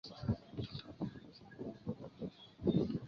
曾随唐继尧北伐并且已经升任师长的郑开文出任云南宪兵司令。